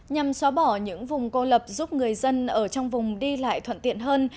nhằm xóa bỏ những vùng cô lập giúp người dân ở trong vùng đi lại thuận tiện hơn